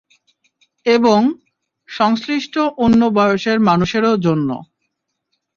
এবং, সংশ্লিষ্ট অন্য বয়সের মানুষেরও জন্য!